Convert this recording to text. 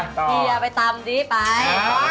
เฮียไปตำนี้ไป